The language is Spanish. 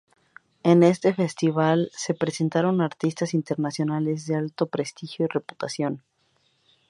En este Festival se presentaron artistas internacionales de alto prestigio y reputación.